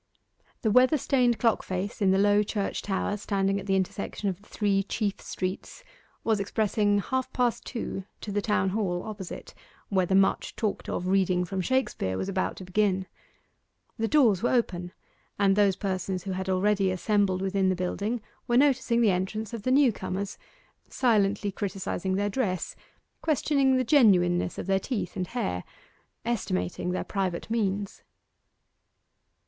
The weather stained clock face in the low church tower standing at the intersection of the three chief streets was expressing half past two to the Town Hall opposite, where the much talked of reading from Shakespeare was about to begin. The doors were open, and those persons who had already assembled within the building were noticing the entrance of the new comers silently criticizing their dress questioning the genuineness of their teeth and hair estimating their private means.